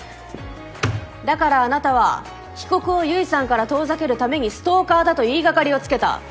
だからあなたは被告を結衣さんから遠ざけるためにストーカーだと言いがかりをつけた。